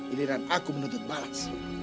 ini dan aku menuntut balas